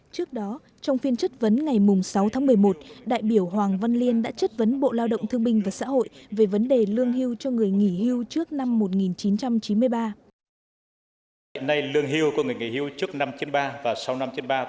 trước đó trong phiên chất vấn ngày sáu tháng một mươi một đại biểu hoàng văn liên đã chất vấn bộ lao động thương minh và xã hội về vấn đề lương hưu cho người nghỉ hưu trước năm một nghìn chín trăm chín mươi ba